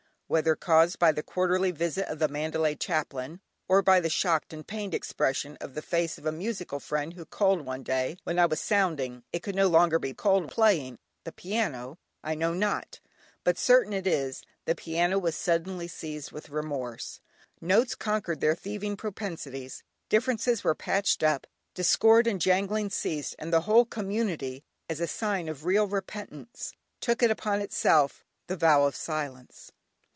Whether caused by the quarterly visit of the Mandalay chaplain, or by the shocked and pained expression on the face of a musical friend who called one day when I was sounding (it could no longer be called playing) the piano, I know not, but certain it is, the piano was suddenly seized with remorse. Notes conquered their thieving propensities, differences were patched up, discord and jangling ceased, and the whole community, as a sign of real repentance, took upon itself the vow of silence.